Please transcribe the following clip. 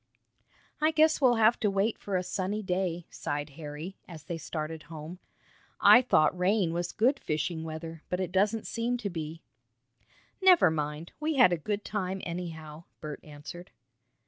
"I guess we'll have to wait for a sunny day," sighed Harry, as they started home. "I thought rain was good fishing weather, but it doesn't seem to be." "Never mind, we had a good time, anyhow." Bert answered.